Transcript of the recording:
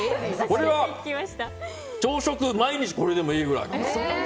これは朝食毎日これでもいいくらい。